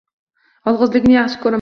Yolg`izlikni yaxshi ko`raman